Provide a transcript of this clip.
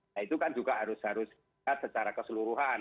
nah itu kan juga harus dilihat secara keseluruhan